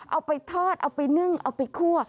เอาไปทอดเอาไปนึ่งเอาไปคั่ว